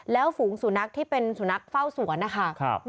แล้วฝูงสู่นักที่เป็นสู่นักเฝ้าสวนนะคะครับ